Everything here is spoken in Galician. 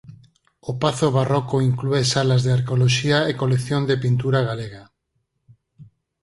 O pazo barroco inclúe salas de arqueoloxía e colección de pintura galega.